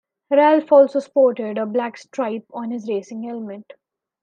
Ralf also sported a black stripe on his racing helmet.